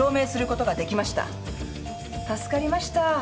助かりました。